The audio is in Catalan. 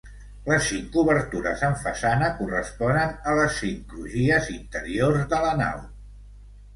Les cinc obertures en façana corresponen a les cinc crugies interiors de la nau.